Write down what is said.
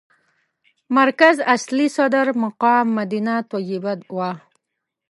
مرکز اصلي صدر مقام مدینه طیبه وه.